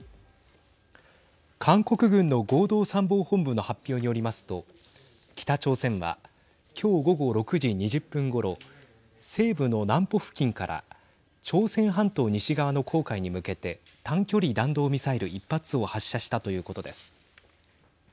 韓国軍の合同参謀本部の発表によりますと北朝鮮は今日午後６時２０分ごろ西部のナンポ付近から朝鮮半島西側の黄海に向けて短距離弾道ミサイル１発を発射したということです。